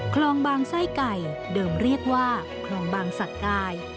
คลองบางไส้ไก่เดิมเรียกว่าคลองบางสักกาย